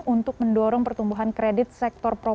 untuk mendorong pertumbuhan kredit yang berkualitas